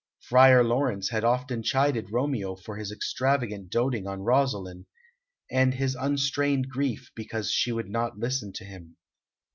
Friar Laurence had often chided Romeo for his extravagant doating on Rosaline, and his unrestrained grief because she would not listen to him.